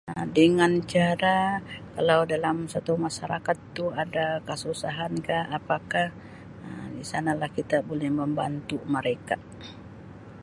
Um Dengan cara kalau dalam satu masyarakat tu acara kesusahan ka apa ka Um di sanalah kita boleh membantu mereka.